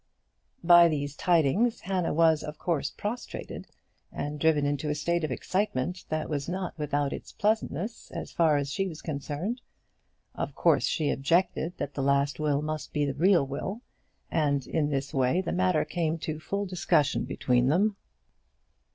By these tidings Hannah was of course prostrated, and driven into a state of excitement that was not without its pleasantness as far as she was concerned. Of course she objected that the last will must be the real will, and in this way the matter came to full discussion between them.